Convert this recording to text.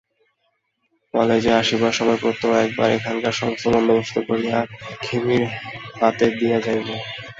কালেজে আসিবার সময় প্রত্যহ একবার এখানকার সমস্ত বন্দোবস্ত করিয়া খেমির হাতে দিয়া যাইব।